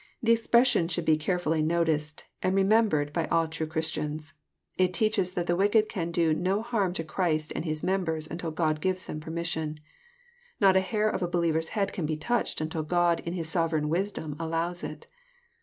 The cxpr06sion should be carefully noticed, and remembered by all true Christians. It teaches that the wicked can do no harm to Christ and His members until God gives them permis sion. Kot a hair of a believer's head can be touched until God in His sovereign wisdom allows it.